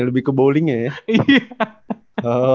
lebih ke bowlingnya ya